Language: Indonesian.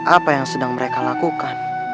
apa yang sedang mereka lakukan